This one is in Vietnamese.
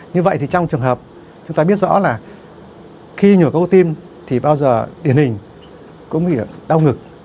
như vậy thì trong trường hợp chúng ta biết rõ là khi nhồi máu cơ tim thì bao giờ điền hình cũng nghĩa đau ngực